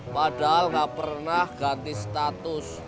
padahal nggak pernah ganti status